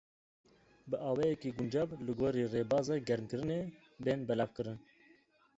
Bi awayekî guncav li gorî rêbaza germkirinê, bên belavkirin.